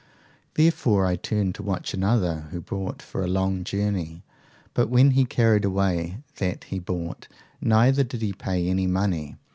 Therefore I turned to watch another, who bought for a long journey, but when he carried away that he bought, neither did he pay any money.